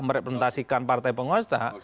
merepresentasikan partai penguasa